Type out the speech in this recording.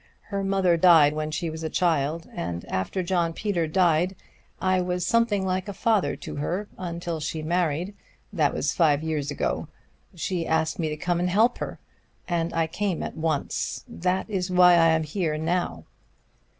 Her mother died when she was a child; and after John Peter died, I was something like a father to her until she married that was five years ago. She asked me to come and help her, and I came at once. That is why I am here now."